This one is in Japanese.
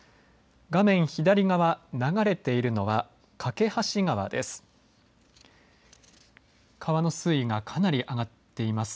画面左側、流れているのは梯川です。